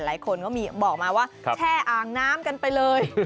หลายคนก็มีบอกมาว่าแช่อ่างน้ำกันไปเลย